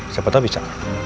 siapa tau bisa